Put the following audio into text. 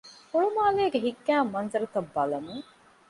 ހުޅުމާލޭގެ ހިތްގައިމު މަންޒަރުތައް ބަލަމުން